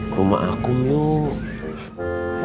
rumah akum yuk